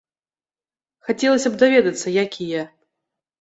Хацелася б даведацца, якія.